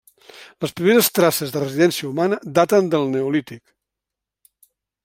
Les primeres traces de residència humana daten del neolític.